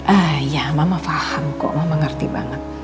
ah iya mama faham kok mama ngerti banget